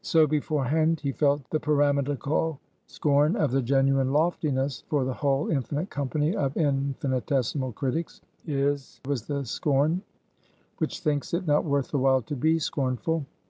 So, beforehand he felt the pyramidical scorn of the genuine loftiness for the whole infinite company of infinitesimal critics. His was the scorn which thinks it not worth the while to be scornful.